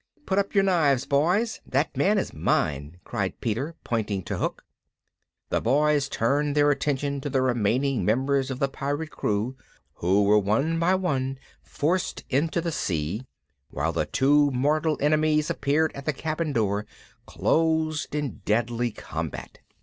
"Put up your knives, Boys, that man is mine!" cried Peter, pointing to Hook. The Boys turned their attention to the remaining members of the pirate crew, who were one by one forced into the sea, while the two mortal enemies appeared at the cabin door closed in deadly combat.